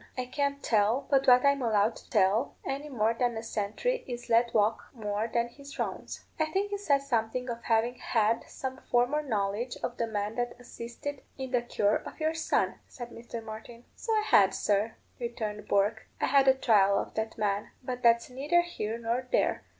I can't tell but what I'm allowed to tell, any more than a sentry is let walk more than his rounds." "I think you said something of having had some former knowledge of the man that assisted in the cure of your son," said Mr. Martin. "So I had, sir," returned Bourke. "I had a trial of that man. But that's neither here nor there.